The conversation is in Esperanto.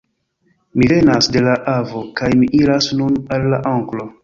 Mi venas de la avo; kaj mi iras nun al la onklo.